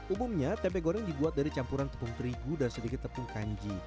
umumnya tempe goreng dibuat dari campuran tepung terigu dan sedikit tepung kanji